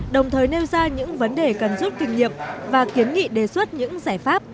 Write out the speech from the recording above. đồng thời nêu ra những vấn đề cần rút kinh nghiệm và kiến nghị đề xuất những giải pháp